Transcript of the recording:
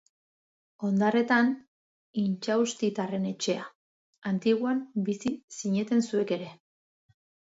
Ondarretan Intxaustitarren etxea, Antiguan bizi zineten zuek ere.